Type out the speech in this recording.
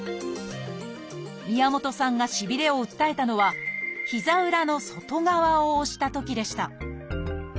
宮本さんがしびれを訴えたのは膝裏の外側を押したときでした